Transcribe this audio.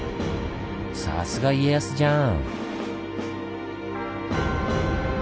さすが家康じゃん！